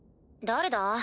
誰だ？